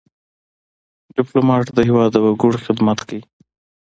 ډيپلومات د هېواد د وګړو خدمت کوي.